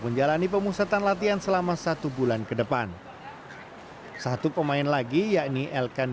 menjalani pemusatan latihan selama satu bulan ke depan satu pemain lagi yakni elkan